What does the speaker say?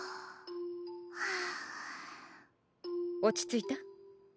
落ち着いた？